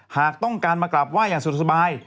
หากต้องการมากราบไหว้อย่างสุดสบาย